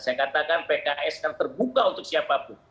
saya katakan pks kan terbuka untuk siapapun